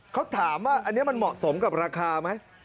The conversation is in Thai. เขาถามว่าอันนี้มันเหมาะสมกับราคาไหม